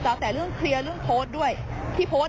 ก็ต้องกลับมาด้วยพี่ออน